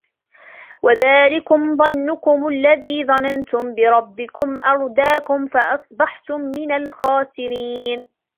وَذَلِكُمْ ظَنُّكُمُ الَّذِي ظَنَنْتُمْ بِرَبِّكُمْ أَرْدَاكُمْ فَأَصْبَحْتُمْ مِنَ الْخَاسِرِينَ